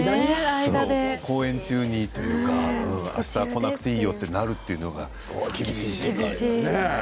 公演中にというかねあしたは来なくていいよとなるというのが厳しい世界ですよね。